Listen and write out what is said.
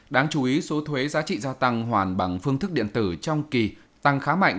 đáng chú ý số thuế giá trị gia tăng hoàn bằng phương thức điện tử trong kỳ tăng khá mạnh